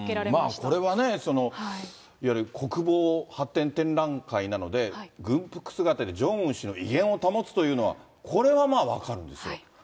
これはね、そのいわゆる国防発展展覧会なので、軍服姿でジョンウン氏の威厳を保つというのは、これはまあ、分かるんですよ。